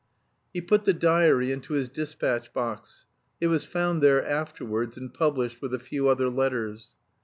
He put the diary into his dispatch box. It was found there afterwards, and published with a few other letters.